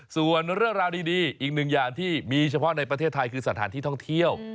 ส่วนเรื่องราวดีอีกหนึ่งอย่างที่มีเฉพาะในประเทศไทยคือสถานที่ท่องเที่ยว